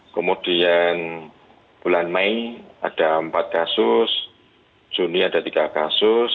kemudian bulan mei ada empat kasus juni ada tiga kasus